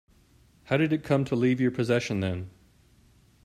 How did it come to leave your possession then?